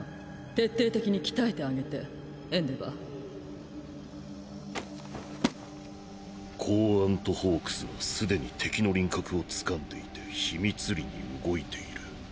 徹底的に鍛えてあげてエンデヴァー公安とホークスはすでに敵の輪郭を掴んでいて秘密裏に動いている。